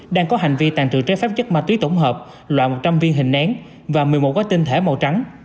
đang có hành vi tàn trự trái phép chất ma túy tổng hợp loại một trăm linh viên hình nén và một mươi một gói tinh thể màu trắng